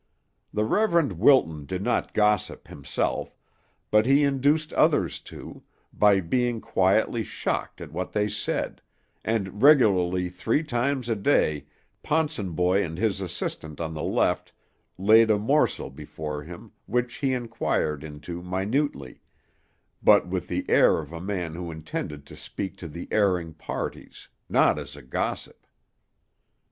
The Reverend Wilton did not gossip himself, but he induced others to, by being quietly shocked at what they said, and regularly three times a day Ponsonboy and his assistant on the left laid a morsel before him, which he inquired into minutely but with the air of a man who intended to speak to the erring parties; not as a gossip.